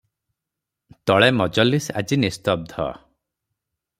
ତଳେ ମଜଲିସ ଆଜି ନିସ୍ତବ୍ଧ ।